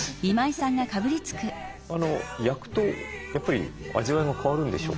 焼くとやっぱり味わいが変わるんでしょうか？